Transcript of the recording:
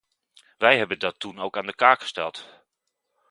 Wij hebben dat toen ook aan de kaak gesteld.